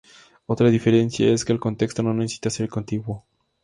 Otra diferencia es que el contexto no necesita ser contiguo.